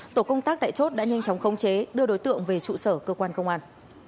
tổ công tác tại chốt đã nhanh chóng khống chế đưa đối tượng về trụ sở cơ quan công an